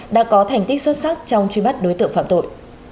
đã có thành tích xuất sắc trong truy bắt đối tượng phạm tội